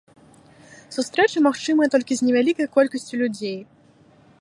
Сустрэчы магчымыя толькі з невялікай колькасцю людзей.